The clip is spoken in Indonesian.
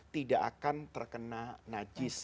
tidak akan terkena najis